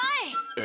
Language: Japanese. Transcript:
え？